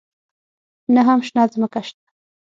نه هم شنه ځمکه شته.